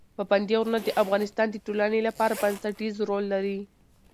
پابندی غرونه د افغانستان د ټولنې لپاره بنسټيز رول لري.